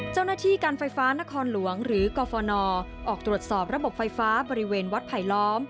เจ้าหน้าที่การไฟฟ้านครหลวงหรือกฟนออกตรวจสอบระบบไฟฟ้าบริเวณวัดไผลล้อม